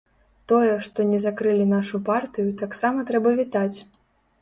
Тое, што не закрылі нашу партыю, таксама трэба вітаць.